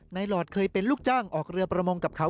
หลอดเคยเป็นลูกจ้างออกเรือประมงกับเขา